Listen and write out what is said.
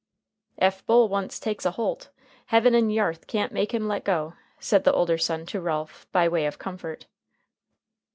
"Ef Bull once takes a holt, heaven and yarth can't make him let go," said the older son to Ralph, by way of comfort.